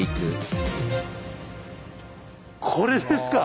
これですか？